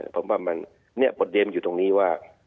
ผมว่ามันพดเดมอยู่ตรงนี้ว่า